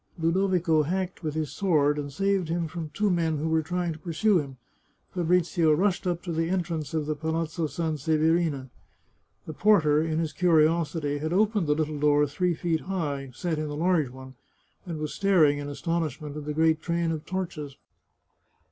" Ludovico hacked with his sword, and saved him from two men who were trying to pursue him. Fabrizio 245 The Chartreuse of Parma rushed up to the entrance of the Palazzo Sanseverina, The porter, in his curiosity, had opened the Httle door three feet high, set in the large one, and was staring in astonishment at the great train of torches.